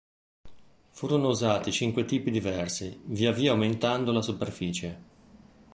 Furono usati cinque tipi diversi, via via aumentando la superficie.